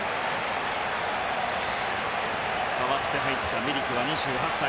代わって入ったミリクは２８歳。